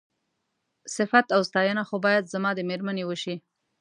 صيفت او ستاينه خو بايد زما د مېرمنې وشي.